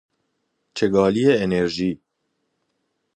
چگالی انرژی